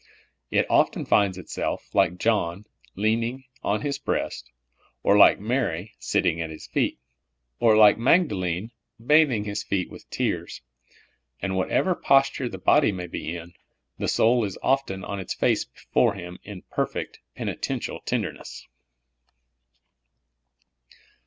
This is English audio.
It often finds itself, like John, leaning on His breast ; or, like Mary, sitting at His feet ; or, like Magdalene, bathing His feet with tears ; and w^hatever posture the body may be in, the soul is often on its face before Him in perfect, penitential tenderness.